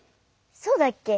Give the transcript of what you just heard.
そうだっけ？